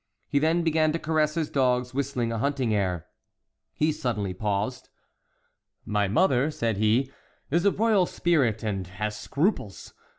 He then began to caress his dogs, whistling a hunting air. He suddenly paused. "My mother," said he, "is a royal spirit, and has scruples!